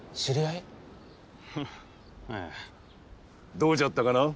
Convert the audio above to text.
どうじゃったかな？